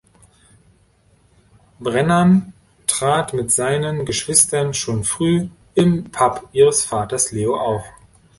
Brennan trat mit seinen Geschwistern schon früh im Pub ihres Vaters Leo auf.